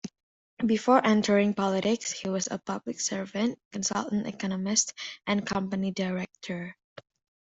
Before entering politics he was a public servant, consultant economist and company director.